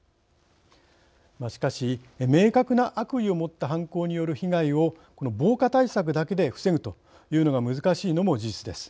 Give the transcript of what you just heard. しかし明確な悪意を持った犯行による被害をこの防火対策だけで防ぐというのは難しいのも事実です。